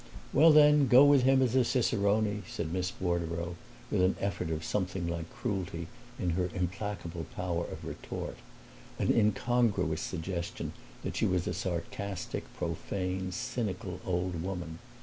"Well then, go with him as a cicerone!" said Miss Bordereau with an effort of something like cruelty in her implacable power of retort an incongruous suggestion that she was a sarcastic, profane, cynical old woman.